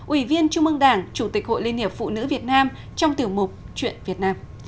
ủy viên trung mương đảng chủ tịch hội liên hiệp phụ nữ việt nam trong tiểu mục chuyện việt nam